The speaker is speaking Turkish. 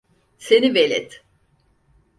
Seni velet!